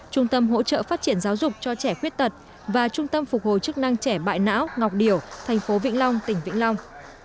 trung tâm hỗ trợ phát triển giáo dục cho trẻ khuyết tật và trung tâm phục hồi chức năng trẻ bại não ngọc điểu thành phố vĩnh long tỉnh vĩnh long